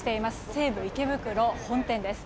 西武池袋本店です。